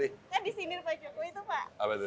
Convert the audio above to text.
jadi kan di sinir pak jokowi itu pak